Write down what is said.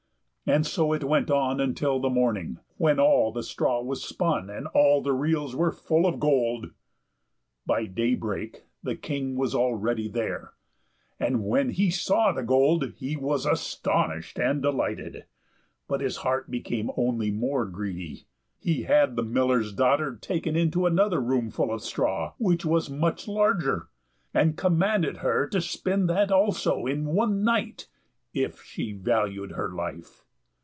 And so it went on until the morning, when all the straw was spun, and all the reels were full of gold. By daybreak the King was already there, and when he saw the gold he was astonished and delighted, but his heart became only more greedy. He had the miller's daughter taken into another room full of straw, which was much larger, and commanded her to spin that also in one night if she valued her life.